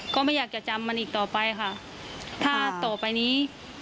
ก็ไม่อยากจะจำมันอีกต่อไปค่ะถ้าต่อไปนี้